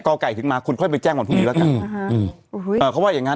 ไก่ถึงมาคุณค่อยไปแจ้งวันพรุ่งนี้แล้วกันเขาว่าอย่างงั้น